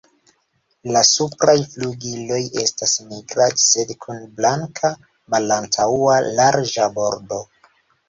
La supraj flugiloj estas nigraj sed kun blanka malantaŭa larĝa bordo.